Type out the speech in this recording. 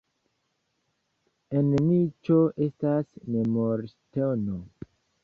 En niĉo estas memorŝtono.